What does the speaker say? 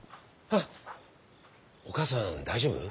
お母さん大丈夫？